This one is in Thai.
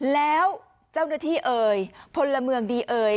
แล้วเจ้าหน้าที่เอ่ยพลเมืองดีเอ่ย